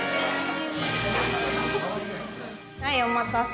はいお待たせ。